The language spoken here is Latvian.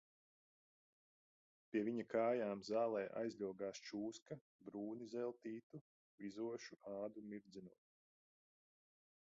Pie viņa kājām zālē aizļogās čūska brūni zeltītu, vizošu ādu mirdzinot.